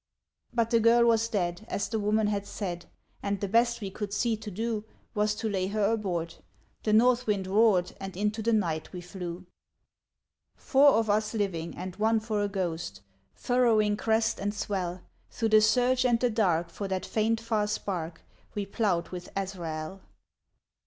But the girl was dead, as the woman had said, And the best we could see to do Was to lay her aboard. The north wind roared, And into the night we flew. Four of us living and one for a ghost, Furrowing crest and swell. Through the surge and the dark, for that faint far spark. We ploughed with Azrael.